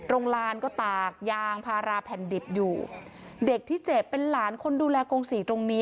โรงลานก็ตากยางพาราแผ่นดิบอยู่เด็กที่เจ็บเป็นหลานคนดูแลกงศรีตรงนี้